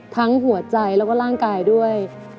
หัวใจแล้วก็ร่างกายด้วย